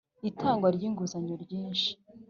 Itangwa ry inguzanyo nyinshi